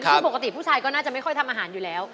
ซึ่งปกติผู้ชายก็น่าจะไม่ค่อยทำอาหารอยู่แล้ว